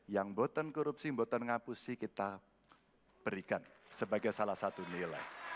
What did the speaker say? yang boten korupsi botan ngapusi kita berikan sebagai salah satu nilai